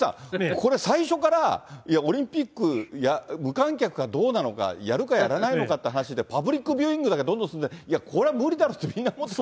これ、最初から、いや、オリンピック、無観客かどうなのか、やるかやらないのかっていう話で、パブリックビューイングだけどんどん進んで、いや、これは無理だろうとみんな思ってた。